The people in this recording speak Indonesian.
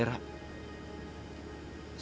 ini bukan salah dia ra